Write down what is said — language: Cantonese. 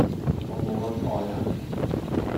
我無搵錯人